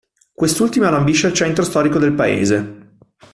Quest'ultima lambisce il centro storico del paese.